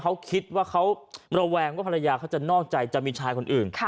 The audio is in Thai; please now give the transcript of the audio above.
เขาคิดว่าเขาระแวงว่าภรรยาเขาจะนอกใจจะมีชายคนอื่น